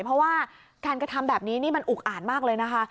เพราะว่าการกระทำแบบนี้นี่มันอุกอ่านมากเลยนะคะ